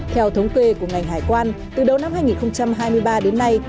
theo thống kê của ngành hải quan từ đầu năm hai nghìn hai mươi ba đến nay